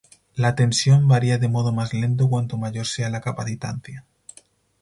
La tensión varía de modo más lento cuanto mayor sea la capacitancia.